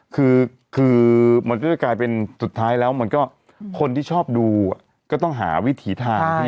คือมันก็จะกลายเป็นสุดท้ายแล้วมันก็คนที่ชอบดูก็ต้องหาวิถีทาง